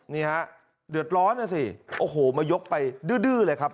นี่ฮะเดือดร้อนนะสิโอ้โหมายกไปดื้อเลยครับ